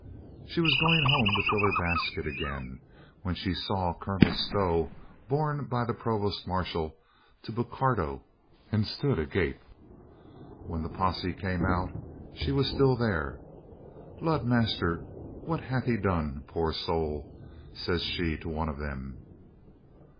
She was going home to fill her basket again when 382 COLONEL GREATHEART she saw Colonel Stow borne by the provost mar shal to Bocardo and stood agape. When the posse came out she was still there. "Lud, master, what hath he done, poor soul?" says she to one of them.